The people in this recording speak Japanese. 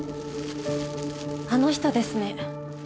あの人ですね。